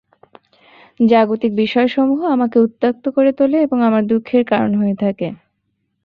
জাগতিক বিষয়সমূহ আমাকে উত্ত্যক্ত করে তোলে এবং আমার দুঃখের কারণ হয়ে থাকে।